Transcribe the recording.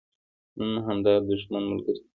نن همدا دښمن ملګری ګرځېدلی.